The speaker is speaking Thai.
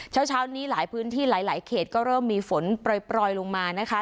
เช้าเช้านี้หลายพื้นที่หลายหลายเขตก็เริ่มมีฝนปล่อยปล่อยลงมานะคะ